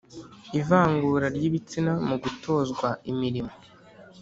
ivangura ry’ibitsina mu gutozwa imirimo